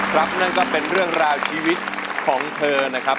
นั่นก็เป็นเรื่องราวชีวิตของเธอนะครับ